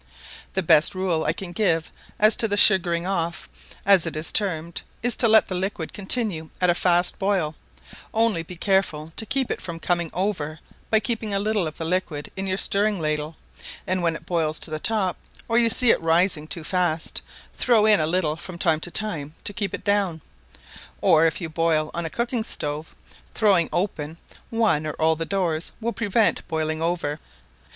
The best rule I can give as to the sugaring off, as it is termed, is to let the liquid continue at a fast boil: only be careful to keep it from coming over by keeping a little of the liquid in your stirring ladle, and when it boils up to the top, or you see it rising too fast, throw in a little from time to time to keep it down; or if you boil on a cooking stove, throwing open one or all the doors will prevent boiling over.